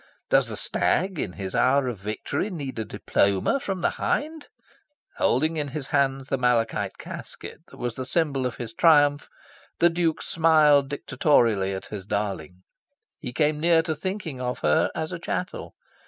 Does the stag in his hour of victory need a diploma from the hind? Holding in his hands the malachite casket that was the symbol of his triumph, the Duke smiled dictatorially at his darling. He came near to thinking of her as a chattel.